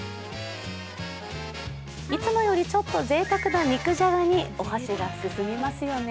いつもよりちょっとぜいたくな肉じゃがにお箸が進みますよね。